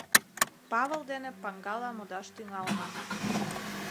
Павыл дене паҥгала модаш тӱҥална.